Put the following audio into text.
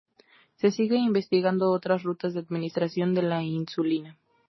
Se sigue investigando otras rutas de administración de la insulina.